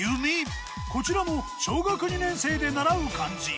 こちらも小学２年生で習う漢字。